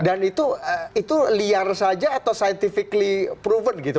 dan itu liar saja atau scientifically proven gitu